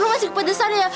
lo masih ke pedesan ya